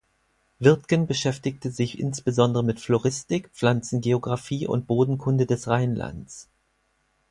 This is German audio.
Wirtgen beschäftigte sich insbesondere mit Floristik, Pflanzengeographie und Bodenkunde des Rheinlands.